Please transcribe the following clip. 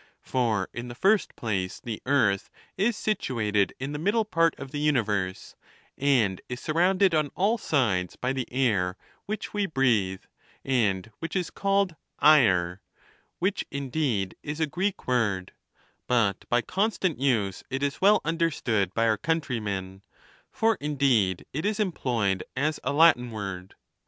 For, in the first place, the earth is situated in the middle part of the universe, and is sur rounded on all sides by the air, which we breathe, and which is called " aer,'" which, indei' J, is a Greek word ; but by constant use it is well understood by our countrymen, for, indeed, it is employed as a Latin word.